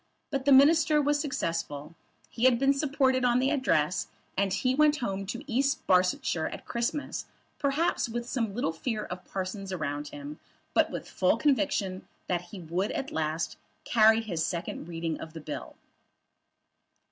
But the Minister was successful. He had been supported on the Address; and he went home to East Barsetshire at Christmas, perhaps with some little fear of the parsons around him; but with a full conviction that he would at least carry the second reading of his bill.